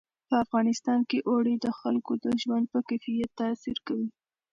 په افغانستان کې اوړي د خلکو د ژوند په کیفیت تاثیر کوي.